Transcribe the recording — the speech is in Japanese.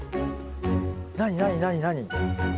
何何何何？